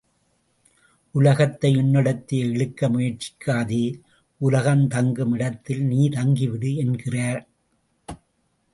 உலகத்தை உன்னிடத்தே இழுக்க முயற்சிக்காதே உலகம் தங்கும் இடத்தில் நீ தங்கிவிடு என்கிறார்.